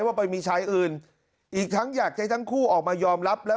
ว่าไปมีชายอื่นอีกทั้งอยากจะให้ทั้งคู่ออกมายอมรับแล้ว